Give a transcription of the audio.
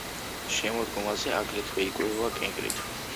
შემოდგომაზე აგრეთვე იკვებება კენკრით.